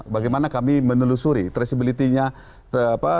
bagaimana kami menelusuri traceability nya